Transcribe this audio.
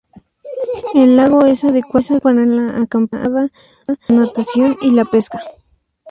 El lago es adecuado para la acampada, la natación y la pesca.